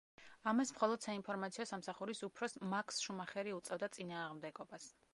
ამას მხოლოდ საინფორმაციო სამსახურის უფროს მაქს შუმახერი უწევდა წინააღმდეგობას.